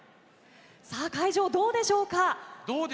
会場どうでしょうか。